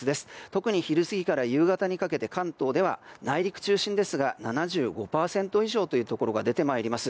特に昼過ぎから夕方にかけて関東では内陸中心ですが７５％以上というところが出てまいります。